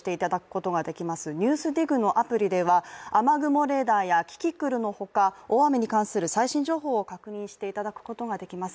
「ＮＥＷＳＤＩＧ」のアプリでは「ＮＥＷＳＤＩＧ」のアプリでは雨雲レーダーやキキクルの他、大雨に関する最新情報を確認していただくことができます。